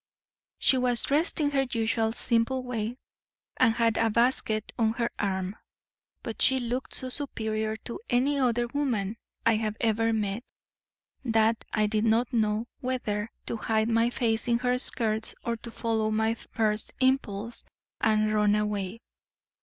She was dressed in her usual simple way, and had a basket on her arm, but she looked so superior to any other woman I had ever met that I did not know whether to hide my face in her skirts or to follow my first impulse and run away.